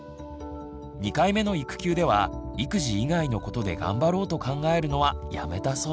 ２回目の育休では育児以外のことで頑張ろうと考えるのはやめたそうです。